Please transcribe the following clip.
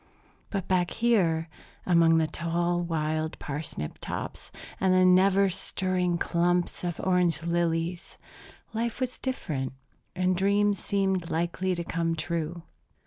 But back here, among the tall wild parsnip tops and the never stirring clumps of orange lilies, life was different, and dreams seemed likely to come true.